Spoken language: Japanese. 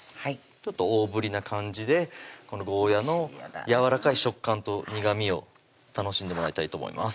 ちょっと大ぶりな感じでゴーヤのやわらかい食感と苦みを楽しんでもらいたいと思います